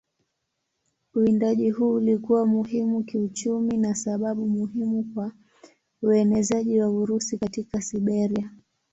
Uwindaji huu ulikuwa muhimu kiuchumi na sababu muhimu kwa uenezaji wa Urusi katika Siberia.